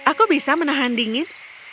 aku bisa menahan dingin